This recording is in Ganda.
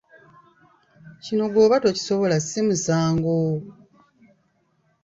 Kino ggwe bwoba tokisobla si musango!